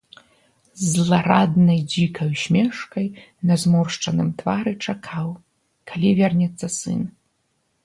З злараднай дзікай усмешкай на зморшчаным твары чакаў, калі вернецца сын.